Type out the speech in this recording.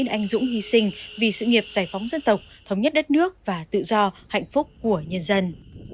anh dũng hy sinh vì sự nghiệp giải phóng dân tộc thống nhất đất nước và tự do hạnh phúc của nhân dân